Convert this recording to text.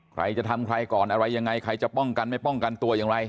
ใครจะทำใครก่อนอะไรยังไงใครจะป้องกันไม่ป้องกันตัวอย่างไร